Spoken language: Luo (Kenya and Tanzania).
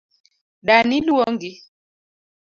Dani luongi